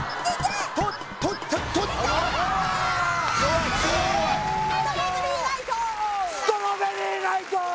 「ストロベリーナイト」！